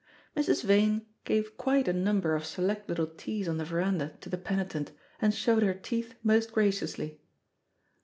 Mrs. Vane gave quite a number of select little teas on the verandah to the penitent, and showed her teeth most graciously.